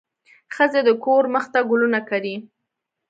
ښځې د کور مخ ته ګلونه کري.